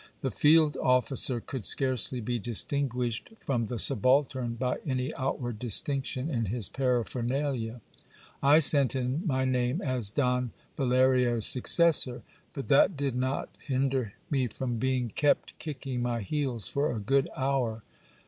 The field officer could scarcely be distinguished from the subaltern by any outward distinction in his paraphernalia. I sent in my name as Don Valerio's successor ; but that did not hinder me from being kept kicking my heels for a good hour.